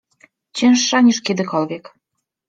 — Cięższa niż kiedykolwiek.